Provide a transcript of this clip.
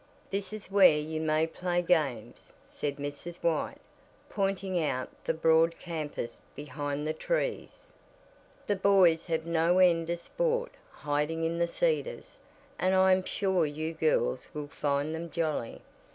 "This is where you may play games," said Mrs. White, pointing out the broad campus behind the trees. "The boys have no end of sport hiding in the cedars, and I am sure you girls will find them jolly.